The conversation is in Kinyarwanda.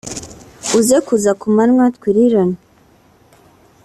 uze kuza ku manywa twiririranwe